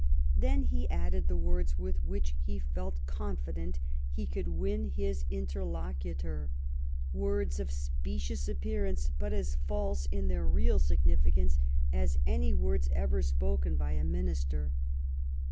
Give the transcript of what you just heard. Tlien he added the words with which he felt confident he could win his interlocutor — words of specious appearance, but as false in their real significance as any words ever spoken by a minister.